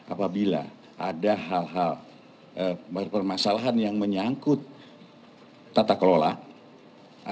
apabila ada hal hal permasalahan yang menyangkut tata kelola